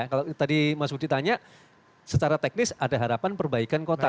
kalau tadi mas budi tanya secara teknis ada harapan perbaikan kota